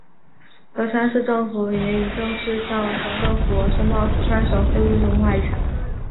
乐山市政府也已正式向省政府申报四川省非物质文化遗产。